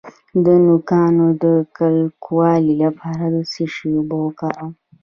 د نوکانو د کلکوالي لپاره د څه شي اوبه وکاروم؟